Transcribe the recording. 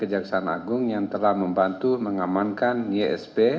kejaksaan agung yang telah membantu mengamankan ysp